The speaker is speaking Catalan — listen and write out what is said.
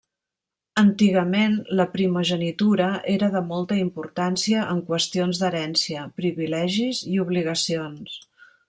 Antigament la primogenitura era de molta importància en qüestions d'herència, privilegis i obligacions.